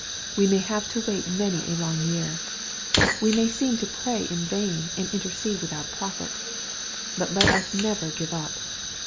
We may have to wait many a long year. We may seem to pray in vain, and intercede without profit. But let us never give up.